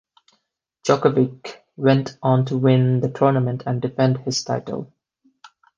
Djokovic went on to win the tournament and defend his title.